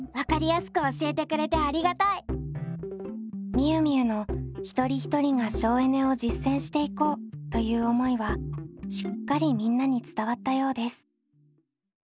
みゆみゆの一人一人が省エネを実践していこうという思いはしっかりみんなに伝わったようです。